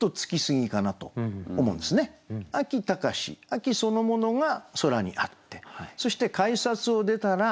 秋そのものが空にあってそして改札を出たら。